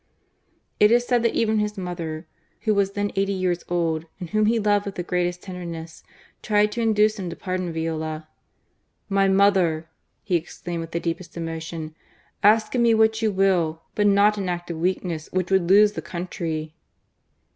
It is said that even his mother, who was then eighty years old, •and whom he loved with the greatest tenderness, tried to induce him to pardon Viola. " My mother !" he exclaimed, with the deepest emotion, "ask of me what you will, but not an act of weakness which would lose the country."